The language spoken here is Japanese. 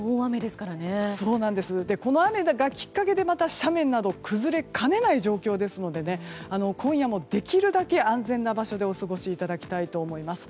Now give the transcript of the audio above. この雨がきっかけでまた斜面などが崩れかねない状況ですので今夜もできるだけ安全な場所でお過ごしいただきたいと思います。